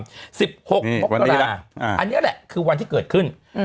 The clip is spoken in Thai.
๑๖มกราอันนี้แหละคือวันที่เกิดขึ้น